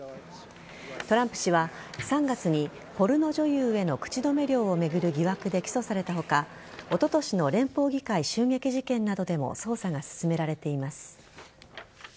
トランプ氏は３月にポルノ女優への口止め料を巡る疑惑で起訴された他おととしの連邦議会襲撃事件などでも捜査が進められています。